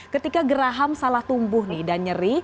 ketika geraham salah tumbuh nih dan nyeri